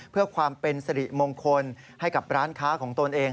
เพื่อความเป็นสริมงคลให้กับร้านค้าของตนเอง